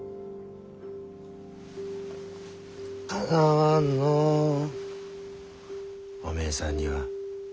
かなわんのうおめえさんには。